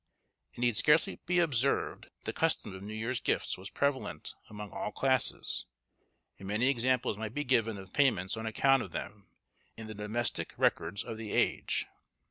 It need scarcely be observed that the custom of New Year's Gifts was prevalent among all classes, and many examples might be given of payments on account of them in the domestic records of the age.